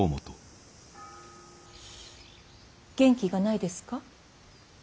元気がないですか？